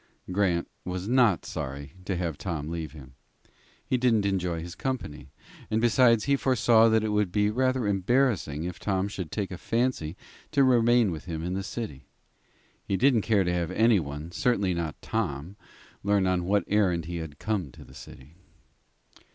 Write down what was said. Grant was not sorry to have Tom leave him. He didn't enjoy his company, and besides he foresaw that it would be rather embarrassing if Tom should take a fancy to remain with him in the city. He didn't care to have anyone, certainly not Tom, learn on what errand he had come to the city.